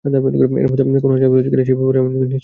এর মধ্যে কোন আযাব রয়েছে কিনা—সে ব্যাপারে আমি নিশ্চিত নই।